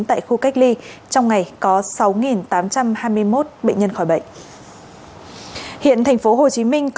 tại khu cách ly trong ngày có sáu tám trăm hai mươi một bệnh nhân khỏi bệnh